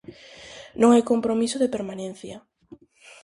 Non hai compromiso de permanencia.